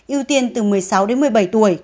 ưu tiên từ một mươi sáu đến một mươi bảy tuổi